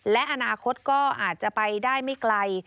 และอนาคตก็อาจจะไปได้ไม่ไกล